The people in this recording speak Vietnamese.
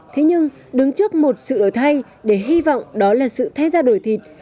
thế nhưng đứng trước một sự đổi thay để hy vọng đó là sự thay ra đổi thịt